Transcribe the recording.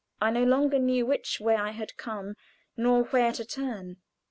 I no longer knew which way I had come nor where to turn.